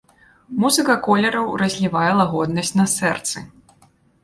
Музыка колераў разлівае лагоднасць на сэрцы.